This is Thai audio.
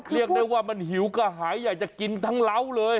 เรียกได้ว่ามันหิวกระหายอยากจะกินทั้งเล้าเลย